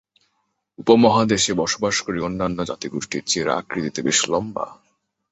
উপমহাদেশে বসবাসকারী অন্যান্য জাতিগোষ্ঠীর চেয়ে এরা আকৃতিতে বেশ লম্বা।